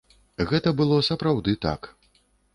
Гэта было сапраўды так.